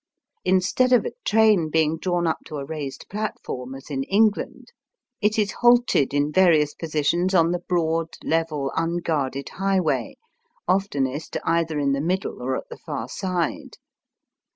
Instead of a train being drawn up to a raised platform as in England, it is halted in various positions on the broad level unguarded highway, oftenest either in the middle or at the far side.